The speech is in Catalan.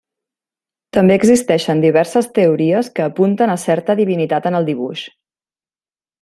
També existeixen diverses teories que apunten a certa divinitat en el dibuix.